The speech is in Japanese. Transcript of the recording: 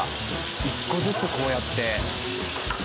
１個ずつこうやって。